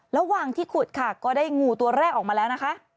ระหว่างที่ขุดค่ะก็ได้งูตัวแรกออกมาแล้วนะคะ